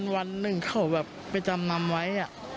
วันหนึ่งเขาแบบไปจำนำไว้